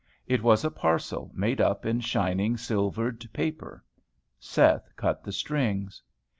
It was a parcel made up in shining silvered paper. Seth cut the strings.